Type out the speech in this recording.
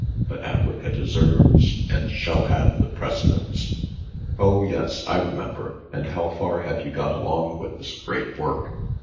But Africa deserves, and shall have the precedence." "Oh! yes I remember. And how far have you got along with this great work?"